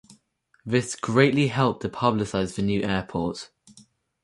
This greatly helped to publicize the new airport.